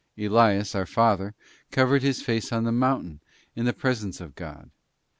Elias, our father, covered his face on the mountain, in the presence of God.